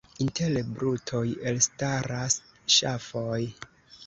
Inter brutoj elstaras ŝafoj.